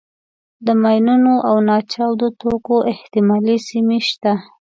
د ماینونو او ناچاودو توکو احتمالي سیمې شته.